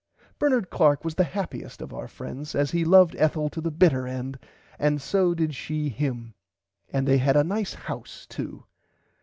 Bernard Clark was the happiest of our friends as he loved Ethel to the bitter end and so did she him and they had a nice house too.